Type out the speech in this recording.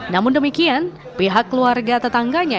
namun demikian pihak keluarga tetangganya